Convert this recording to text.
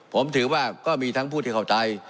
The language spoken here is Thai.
ผมถือว่าก็มีทั้งผู้ที่เข้าใจ